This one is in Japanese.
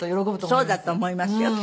そうだと思いますよきっとね。